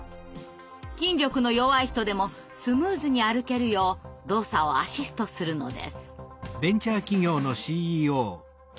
筋力の弱い人でもスムーズに歩けるよう動作をアシストするのです。